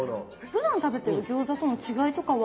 ふだん食べてる餃子との違いとかは？